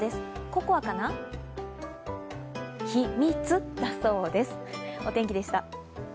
ココアかな、ひ・み・つだそうです。